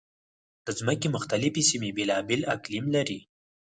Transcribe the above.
د ځمکې مختلفې سیمې بېلابېل اقلیم لري.